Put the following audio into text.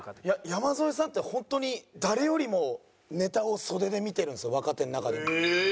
山添さんってホントに誰よりもネタを袖で見てるんですよ若手の中でも。へえ。